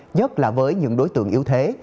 nhất là với những đối tượng yếu thế